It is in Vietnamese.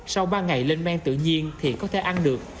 sau ba ngày lên men tự nhiên thì có thể ăn được